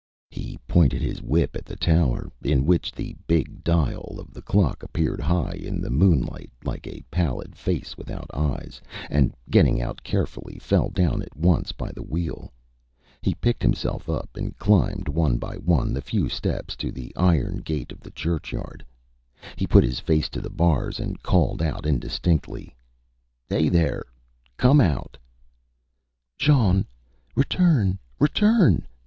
Â He pointed his whip at the tower in which the big dial of the clock appeared high in the moonlight like a pallid face without eyes and getting out carefully, fell down at once by the wheel. He picked himself up and climbed one by one the few steps to the iron gate of the churchyard. He put his face to the bars and called out indistinctly ÂHey there! Come out!Â ÂJean! Return! Return!